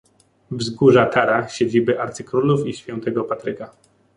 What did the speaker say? wzgórza Tara, siedziby arcykrólów i Świętego Patryka